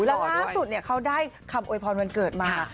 แล้วล่าสุดเขาได้คำโวยพรวันเกิดมา